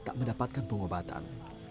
tak mendapatkan pengobatan